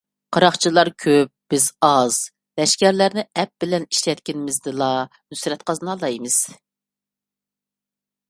قاراقچىلار كۆپ، بىز ئاز؛ لەشكەرلەرنى ئەپ بىلەن ئىشلەتكىنىمىزدىلا نۇسرەت قازىنالايمىز.